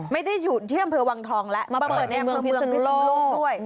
ไม่ได้ฉุนที่อำเภอวังทองแล้วมาเปิดในเมืองพิศนุโลกด้วย